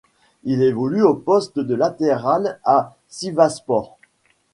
Il évolue au poste de latéral à Sivasspor.